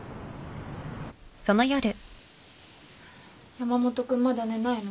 山本君まだ寝ないの？